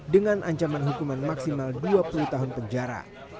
dengan ancaman hukuman maksimal dua puluh tahun penjara